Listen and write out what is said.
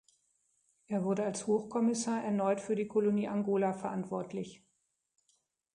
Er wurde als Hochkommissar erneut für die Kolonie Angola verantwortlich.